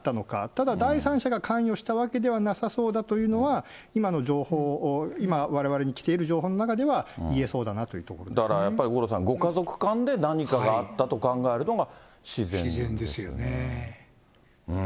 ただ、第三者が関与したわけではなさそうだというのは、今の情報、今われわれに来ている情報の中では言えそうだなというところですだからやっぱり、五郎さん、ご家族間で何かがあったと考えるのが自然ですね。